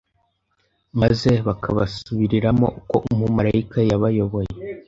maze bakabasubiriramo uko umumalayika yabayoboye